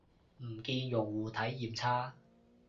唔見用戶體驗差